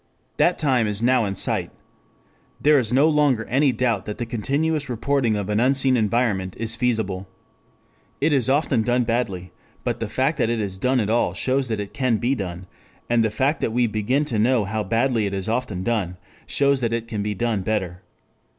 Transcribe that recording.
That time is now in sight. There is no longer any doubt that the continuous reporting of an unseen environment is feasible. It is often done badly, but the fact that it is done at all shows that it can be done, and the fact that we begin to know how badly it is often done, shows that it can be done better.